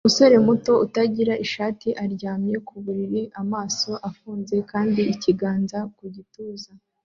Umusore muto utagira ishati aryamye ku buriri amaso afunze kandi ikiganza ku gituza